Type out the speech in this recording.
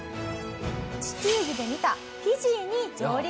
地球儀で見たフィジーに上陸。